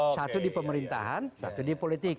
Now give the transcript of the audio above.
satu di pemerintahan satu di politik